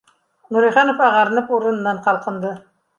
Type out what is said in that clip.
Нуриханов ағарынып урынынан ҡалҡынды